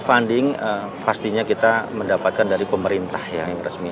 funding pastinya kita mendapatkan dari pemerintah yang resmi